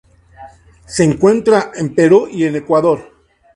Se encuentra en Perú y en Ecuador.